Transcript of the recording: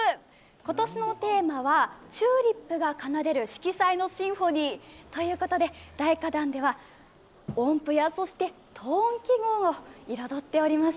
今年のテーマは、チューリップが奏でる色彩のシンフォニーということで、大花壇では音符やト音記号を彩っております。